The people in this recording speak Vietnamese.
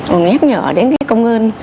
rồi nhắc nhở đến cái công ơn